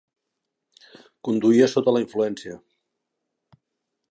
Conduïa sota la influència.